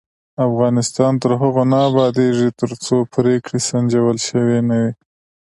افغانستان تر هغو نه ابادیږي، ترڅو پریکړې سنجول شوې نه وي.